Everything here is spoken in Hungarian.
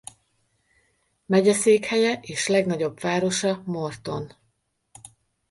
Megyeszékhelye és legnagyobb városa Morton.